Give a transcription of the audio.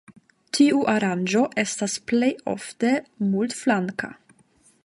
Tiu aranĝo estas plejofte multflanka.